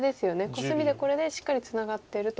コスミでこれでしっかりツナがってると。